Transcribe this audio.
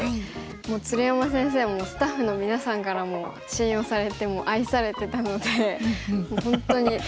鶴山先生もスタッフの皆さんからも信用されて愛されてたのでもう本当に楽しくて。